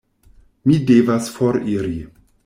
Mi devas foriri.